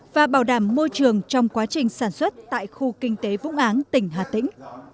và bảo đảm môi trường trong quá trình sản xuất tại khu kinh tế vũng áng tỉnh hà tĩnh